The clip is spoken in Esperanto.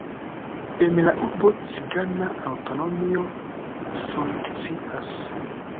En la urbo cigana aŭtonomio funkcias.